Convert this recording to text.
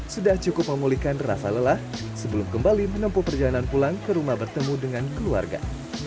sudah cukup memulihkan rasa lelah sebelum kembali menempuh perjalanan pulang ke rumah bertemu dengan keluarga